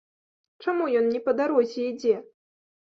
Чаму ён не па дарозе ідзе?